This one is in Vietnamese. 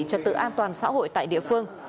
trật tự an toàn xã hội tại địa phương